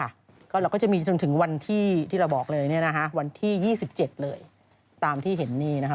แล้วเราก็จะมีจนถึงวันที่วันที่๒๗ตามที่เห็นนี้นะคะ